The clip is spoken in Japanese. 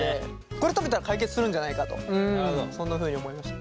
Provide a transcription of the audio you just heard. これ食べたら解決するんじゃないかとそんなふうに思いました。